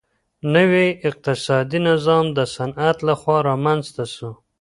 نوی اقتصادي نظام د صنعت لخوا رامنځته سو.